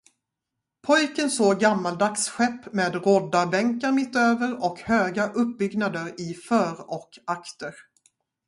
Pojken såg gammaldags skepp med roddarbänkar mittöver och höga uppbyggnader i för och akter.